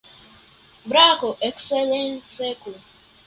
Brako, Ekscelenco.